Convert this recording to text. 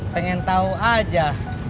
pengen tau aja